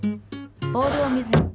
ボールを水に。